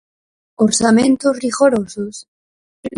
¿Orzamentos rigorosos?